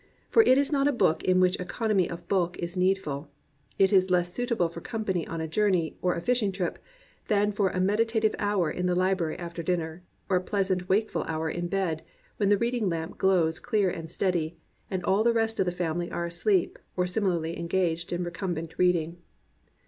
For it is not a book in which economy of bulk is needful; it is less suitable for company on a journey or a fishing trip, than for a meditative hour in the library after dinner, or a pleasant wake ful hour in bed, when the reading lamp glows clear and steady, and all the rest of the family are asleep or similarly engaged in recumbent reading.